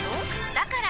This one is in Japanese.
だから！